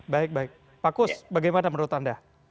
baik baik pak kus bagaimana menurut anda